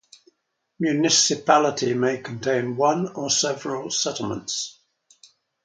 Municipality may contain one or several settlements.